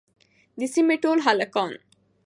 د سيمې ټول هلکان